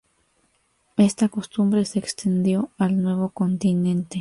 Esta costumbre se extendió al nuevo continente.